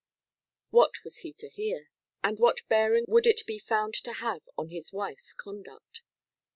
What was he to hear? And what bearing would it be found to have on his wife's conduct?